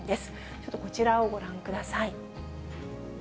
ちょっとこちらをご覧ください。